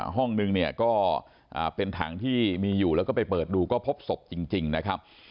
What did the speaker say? ห้องนึงเนี่ยก็เป็นถังที่มีอยู่แล้วก็ไปเปิดดูก็พบศพจริงนะครับ